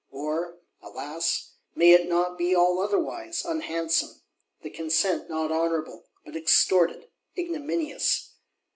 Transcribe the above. Or, alas, may it not be all otherwise, unhandsome: the consent not honourable, but extorted, ignominious?